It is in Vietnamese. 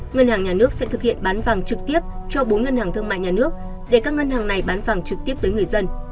ngân hàng nhà nước sẽ thực hiện bán vàng trực tiếp cho bốn ngân hàng thương mại nhà nước để các ngân hàng này bán vàng trực tiếp tới người dân